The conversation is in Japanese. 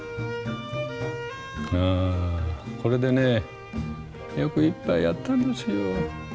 あこれでねよく１杯やったんですよ。